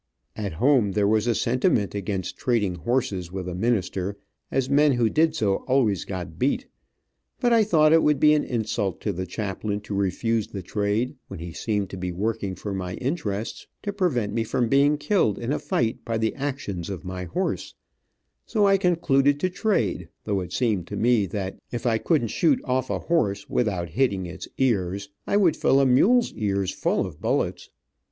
At home there was a sentiment against trading horses with a minister, as men who did so always got beat, but I thought it would be an insult to the chaplain to refuse to trade, when he seemed to be working for my interests, to prevent me from being killed in a fight by the actions of my horse, so I concluded to trade, though it seemed to me that if I couldn't shoot off a horse without hitting its ears, I would fill a mule's ears full of bullets.